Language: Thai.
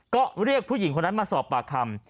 ก็เรียกผู้หญิงคนนั้นมาสอบปากคำ